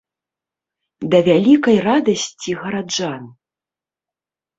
Да вялікай радасці гараджан.